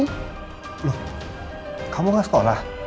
loh kamu gak sekolah